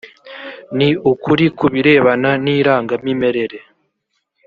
ni ukuri ku birebana nirangamimerere.